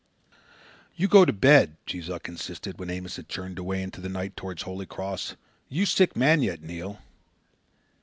"You go to bed!" Jees Uck insisted, when Amos had churned away into the night towards Holy Cross. "You sick man yet, Neil."